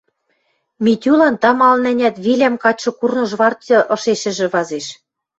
Митюлан тамалын-ӓнят вилям качшы курныж партьы ышешӹжӹ вазеш.